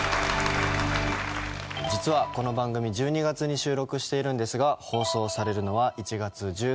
実はこの番組１２月に収録しているんですが放送されるのは１月１３日。